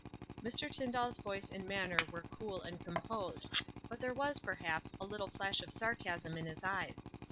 " Mr. Tyndall's voice and manner were cool and composed ; but there was, perhaps, a little flash of sarcasm in his eyes.